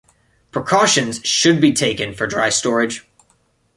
Precautions should be taken for dry storage.